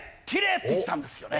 って言ったんですよね。